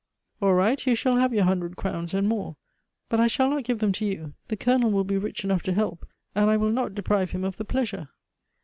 "All right, you shall have your hundred crowns, and more. But I shall not give them to you; the Colonel will be rich enough to help, and I will not deprive him of the pleasure."